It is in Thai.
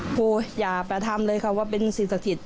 โอ้โหอย่าไปทำเลยค่ะว่าเป็นสิ่งศักดิ์สรรค์